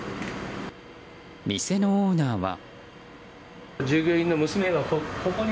店のオーナーは。